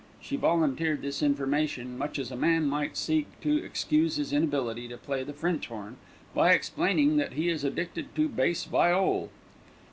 She volunteered this information much as a man might seek to excuse his inability to play the French horn by explaining that he is addicted to bass viol.